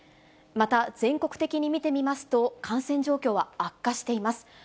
また、全国的に見てみますと、感染状況は悪化しています。